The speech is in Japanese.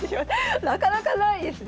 なかなかないですね。